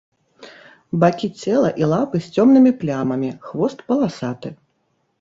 Бакі цела і лапы з цёмнымі плямамі, хвост паласаты.